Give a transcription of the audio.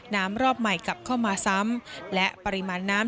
น้ำรอบใหม่กลับเข้ามาซ้ำ